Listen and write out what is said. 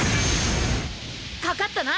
かかったな！